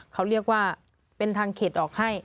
เขาเรียกว่าเป็นทางเขตออกให้